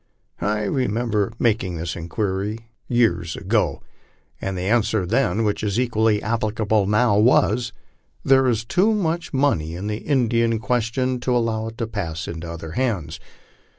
I remember making this inquiry years ago, and the answer then, which is equally applicable now, was :" There is too much money in the Indian question to allow it to pass into other hands."